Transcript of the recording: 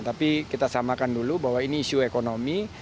tapi kita samakan dulu bahwa ini isu ekonomi